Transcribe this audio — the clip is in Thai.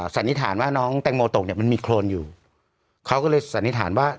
สันนิษฐานว่าน้องแตงโมตกเนี่ยมันมีโครนอยู่เขาก็เลยสันนิษฐานว่า